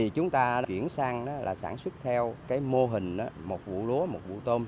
chúng ta chuyển sang sản xuất theo mô hình một vụ lúa một vụ tôm